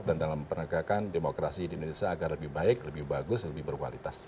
dan dalam pernegakan demokrasi di indonesia agar lebih baik lebih bagus lebih berkualitas